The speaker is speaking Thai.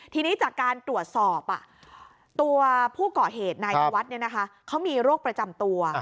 ทีนี้จากการตรวจสอบตัวผู้ก่อเหตุนายนวัฒน์เขามีโรคประจำตัว